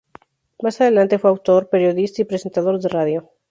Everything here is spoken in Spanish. Más adelante fue autor, periodista y presentador de radio.